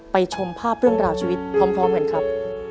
ชมภาพเรื่องราวชีวิตพร้อมกันครับ